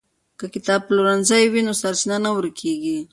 که کتابپلورنځی وي نو سرچینه نه ورکېږي.